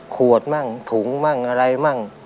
ขวดมั่งถุงมั่งอะไรมั่ง